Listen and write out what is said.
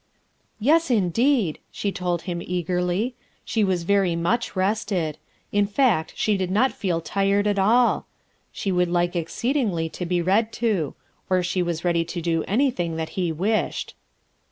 "Yes, indeed," she told Mm eagerly. She was very much rested; in fact she did not feel tired at all; she would like exceedingly to be read to ; or she was ready to do anything that ho wished.